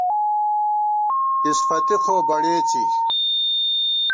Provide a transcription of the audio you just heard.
کِسفَتی خو بݨېڅی